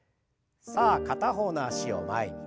さあ片方の脚を前に。